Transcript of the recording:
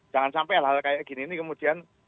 jangan sampai hal hal kayak gini ini kemudian